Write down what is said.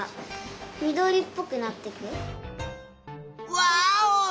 ワーオ！